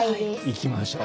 行きましょう。